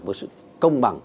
một sự công bằng